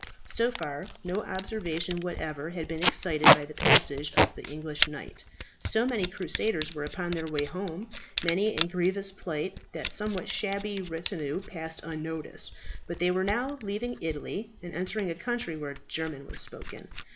So far no observation whatever had been excited by the passage of the English knight. So many crusaders were upon their way home, many in grievous plight, that the somewhat shabby retinue passed unnoticed. But they were now leaving Italy, and entering a country where German was spoken.